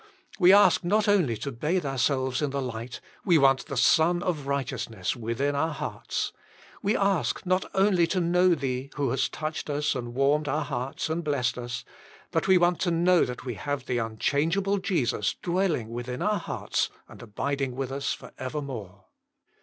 We ask not only to bathe ourselves in the light, we want the Sun of Right eousness within our hearts. We ask Jwas nimself. 17 not only to know Thee, who hast touched us and warmed our hearts and blessed us, but we want to know that we have the unchangeable Jesus dwell ing within our hearts and abiding with us f orevermore.